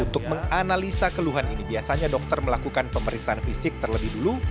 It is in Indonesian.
untuk menganalisa keluhan ini biasanya dokter melakukan pemeriksaan fisik terlebih dulu